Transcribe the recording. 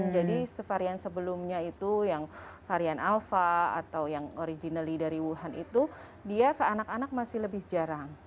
jadi si varian sebelumnya itu yang varian alpha atau yang originally dari wuhan itu dia ke anak anak masih lebih jarang